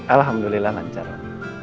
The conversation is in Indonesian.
alhamdulillah lancar om